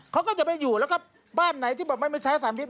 เขาก็จะไปอยู่แล้วก็บ้านไหนที่บอกไม่ใช้สารพิษ